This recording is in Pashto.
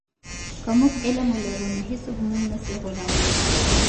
که موږ علم ولرو نو هیڅوک موږ نه سی غولولی.